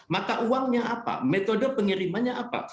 maka uangnya apa metode pengirimannya apa